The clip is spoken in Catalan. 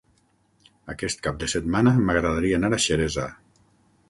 Aquest cap de setmana m'agradaria anar a Xeresa.